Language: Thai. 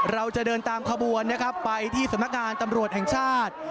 เราจะเดินตามขบวนนะครับไปที่สำนักงานตำรวจแห่งชาติ